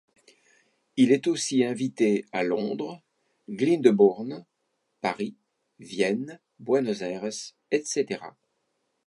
Il est aussi invité à Londres, Glyndebourne, Paris, Vienne, Buenos Aires, etc.